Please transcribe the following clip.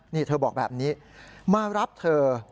นี่เธอบอกแบบนี้มารับเธอ